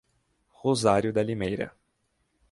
Rosário da Limeira